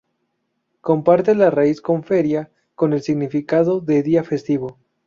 Comparte la raíz con feria con el significado de día festivo.